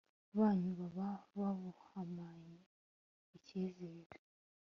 banyu baba bahumanye ikizere